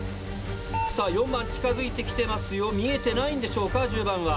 さぁ４番近づいて来てますよ見えてないんでしょうか１０番。